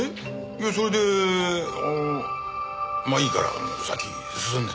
いやそれであのまあいいから先進んで。